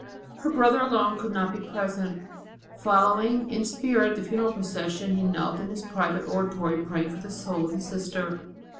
Her brother alone could not be present. Following in spirit the funeral procession he knelt in his private oratory praying for the soul of his sister.